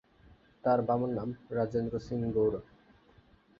তাঁর বাবার নাম রাজেন্দ্র সিং গৌর।